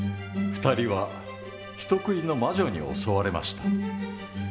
２人は人食いの魔女に襲われました。